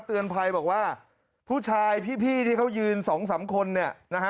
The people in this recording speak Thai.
เตือนภัยบอกว่าผู้ชายพี่ที่เขายืนสองสามคนเนี่ยนะฮะ